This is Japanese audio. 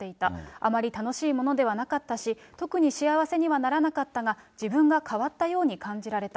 あまり楽しいものではなかったし、特に幸せにはならなかったが、自分が変わったように感じられた。